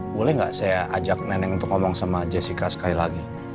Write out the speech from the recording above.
boleh nggak saya ajak nenek untuk ngomong sama jessica sekali lagi